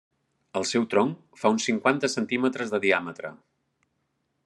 El seu tronc fa uns cinquanta centímetres de diàmetre.